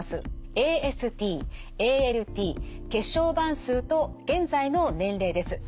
ＡＳＴＡＬＴ血小板数と現在の年齢です。